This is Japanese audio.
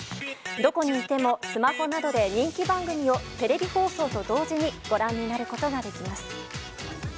どこにいても、スマホなどで人気番組をテレビ放送と同時にご覧になることができます。